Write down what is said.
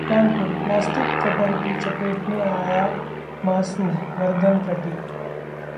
Kanpur: plastic cutter की चपेट में आया मासूम, गर्दन कटी